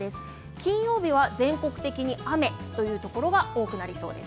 金曜日は全国的に雨というところが多くなりそうです。